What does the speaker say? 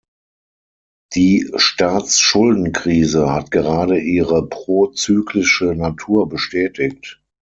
Die Staatsschuldenkrise hat gerade ihre pro-zyklische Natur bestätigt.